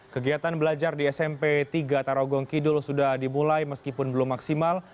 kegiatan belajar di smp tiga tarogong kidul sudah dimulai meskipun belum maksimal